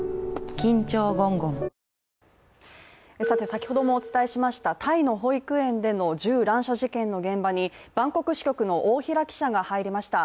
先ほどもお伝えしましたタイの保育園での銃乱射事件の現場にバンコク支局の大平記者が入りました。